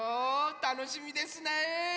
たのしみですね。